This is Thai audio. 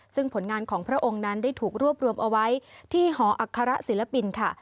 ซึ่งผลงานของพระองค์นั้นได้ถูกรวบรวมเอาไว้ที่หออัคระศิลปินค่ะ